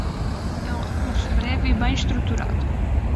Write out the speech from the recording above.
É um recurso breve e bem estruturado.